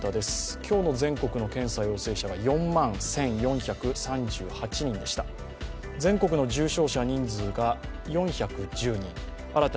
今日の全国の感染者は４万１４３８人でした。